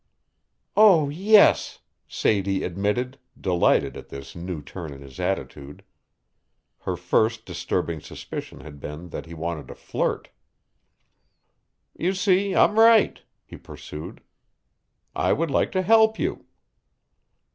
"Oh, yes!" Sadie admitted, delighted at this new turn in his attitude. Her first disturbing suspicion had been that he wanted to flirt. "You see, I'm right," he pursued. "I would like to help you."